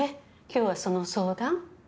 今日はその相談？